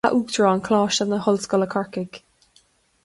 A Uachtaráin Coláiste na hOllscoile Corcaigh